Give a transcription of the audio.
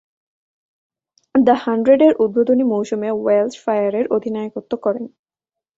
The হান্ড্রেডের উদ্বোধনী মৌসুমে ওয়েলশ ফায়ারের অধিনায়কত্ব করেন।